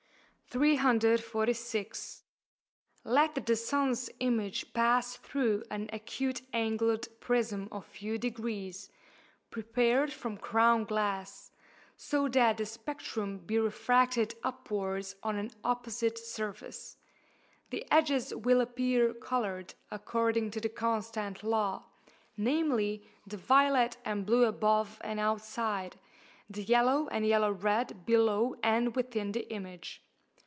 346. Let the sun's image pass through an acute angled prism of few degrees, prepared from crown glass, so that the spectrum be refracted upwards on an opposite surface; the edges will appear coloured, according to the constant law, namely, the violet and blue above and outside, the yellow and yellow red below and within the image.